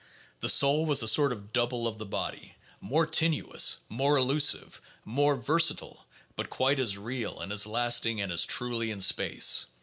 The soul was a sort of double of the body, more tenuous, more elusive, more versa tile, but quite as "real" and as lasting and as truly in space.